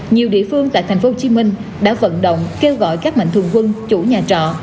nhiều địa phương tại thành phố hồ chí minh đã vận động kêu gọi các mạnh thường quân chủ nhà trọ